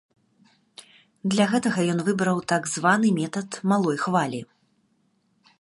Для гэтага ён выбраў так званы метад малой хвалі.